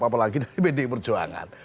apalagi dari bdi perjuangan